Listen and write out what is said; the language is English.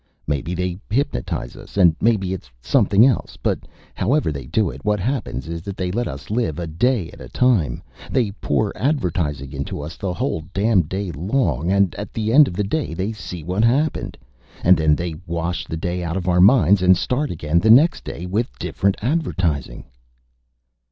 "Maybe they hypnotize us and maybe it's something else; but however they do it, what happens is that they let us live a day at a time. They pour advertising into us the whole damned day long. And at the end of the day, they see what happened and then they wash the day out of our minds and start again the next day with different advertising."